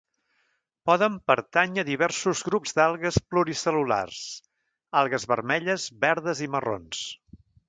Poden pertànyer a diversos grups d'algues pluricel·lulars: algues vermelles, verdes i marrons.